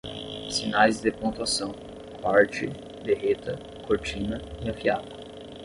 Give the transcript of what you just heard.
Sinais de pontuação: corte, derreta, cortina e afiada.